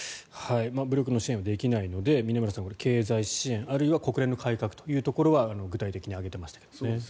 武力の支援はできないので峯村さん、経済支援あるいは国連の改革というのは具体的に挙げてましたけどね。